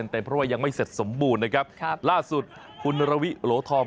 เพราะว่ายังไม่เสร็จสมบูรณ์นะครับล่าสุดคุณระวิโหลทอง